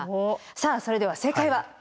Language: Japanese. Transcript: さあそれでは正解は？